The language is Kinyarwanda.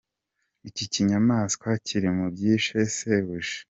Iki kinyamaswa kiri mu byishe shebuja.